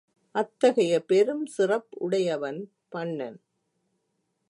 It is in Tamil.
அத்தகைய பெருஞ் சிறப்புடையவன் பண்ணன்.